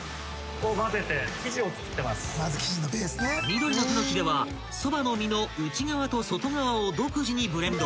［緑のたぬきではそばの実の内側と外側を独自にブレンド］